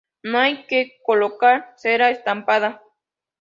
No hay que colocar cera estampada.